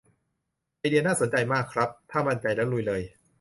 ไอเดียน่าสนใจมากครับ ถ้ามั่นใจแล้วลุยเลย